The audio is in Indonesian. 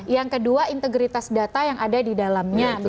yang kedua integritas data yang ada di dalamnya